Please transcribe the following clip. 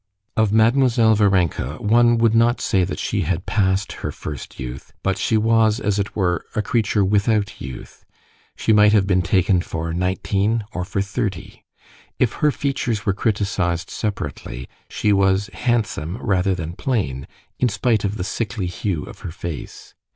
Of Mademoiselle Varenka one would not say that she had passed her first youth, but she was, as it were, a creature without youth; she might have been taken for nineteen or for thirty. If her features were criticized separately, she was handsome rather than plain, in spite of the sickly hue of her face.